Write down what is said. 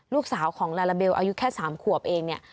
ลูกสาวของลาลาเบลอายุแค่๓ขวบเองเนี่ย